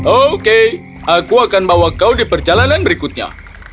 oke aku akan bawa kau di perjalanan berikutnya